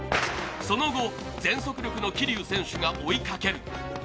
その後、全速力の桐生選手が追いかける。